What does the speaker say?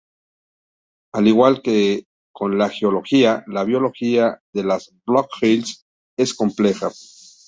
Al igual que con la geología, la biología de las Black Hills es compleja.